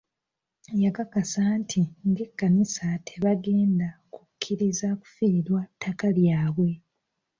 Yakakasa nti ng'ekkanisa tebagenda kukkiriza kufiirwa ttaka lyabwe.